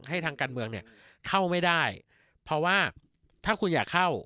ทางการเมืองเนี่ยเข้าไม่ได้เพราะว่าถ้าคุณอยากเข้า